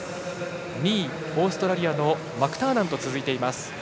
２位、オーストラリアのマクターナンと続いています。